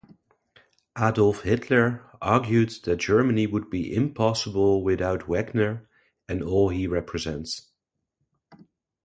Adolf Hitler argued that Germany would be impossible without Wagner and all he represents.